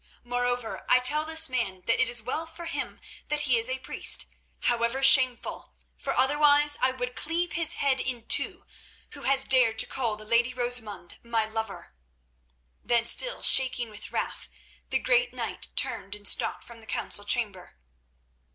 Moreover, I tell this man that it is well for him that he is a priest, however shameful, for otherwise I would cleave his head in two who has dared to call the lady Rosamund my lover." Then, still shaking with wrath, the great knight turned and stalked from the council chamber.